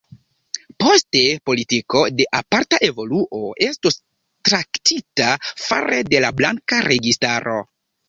Poste politiko de aparta evoluo estus traktita fare de la blanka registaro.